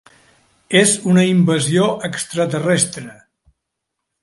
És una invasió extraterrestre.